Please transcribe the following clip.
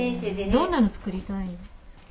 どんなの作りたい？